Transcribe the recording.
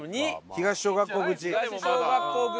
東小学校口。